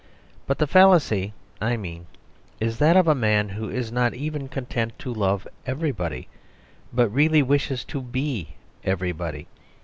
But the fallacy I mean is that of a man who is not even content to love everybody, but really wishes to be everybody.